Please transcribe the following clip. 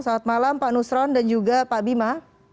selamat malam pak nusron dan juga pak bima